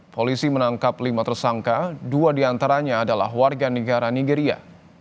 polisi menangkap lima tersangka dua diantaranya adalah warga negara nigeria